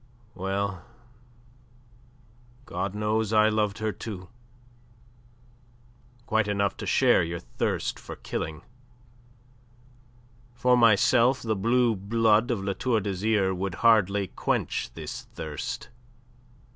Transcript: Well, God knows I loved her, too, quite enough to share your thirst for killing. For myself, the blue blood of La Tour d'Azyr would hardly quench this thirst.